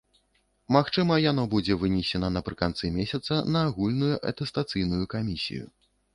Магчыма, яно будзе вынесена напрыканцы месяца на агульную атэстацыйную камісію.